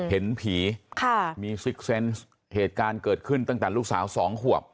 เห็นผีมีซิกเซนต์เหตุการณ์เกิดขึ้นตั้งแต่ลูกสาวสองขวบ